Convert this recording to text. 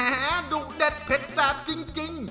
แหมดุเด็ดเผ็ดแสบจริง